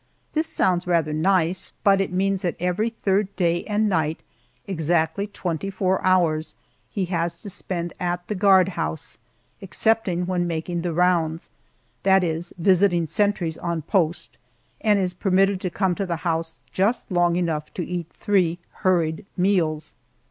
This sounds rather nice; but it means that every third day and night exactly twenty four hours he has to spend at the guard house, excepting when making the rounds, that is, visiting sentries on post, and is permitted to come to the house just long enough to eat three hurried meals.